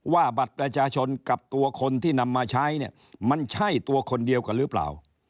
ว่าบัตรประชาชนกับตัวคนที่นำมาใช้เนี่ยมันใช่ตัวคนเดียวกันหรือเปล่า